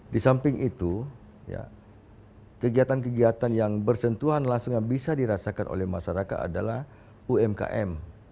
di samping itu kegiatan kegiatan yang bersentuhan langsung yang bisa dirasakan oleh masyarakat adalah umkm